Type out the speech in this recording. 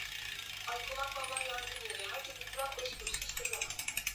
watu elfu hamsini Na baadaye ikaanza kupungua